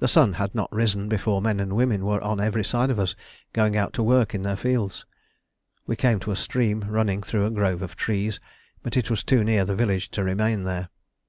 The sun had not risen before men and women were on every side of us, going out to work in their fields. We came to a stream running through a grove of trees, but it was too near the village to remain there.